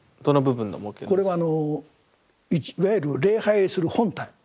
これはあのいわゆる礼拝する本体。